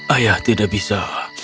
ayah tidak bisa